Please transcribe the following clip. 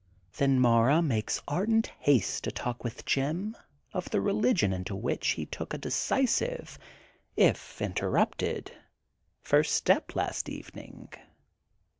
Then Mara makes ardent haste to talk with Jim of the religion into which he took a deci sive, if interrupted, first step last evening.